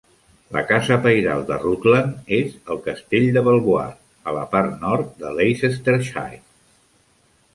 La casa pairal de Rutland és el castell de Belvoir a la part nord de Leicestershire.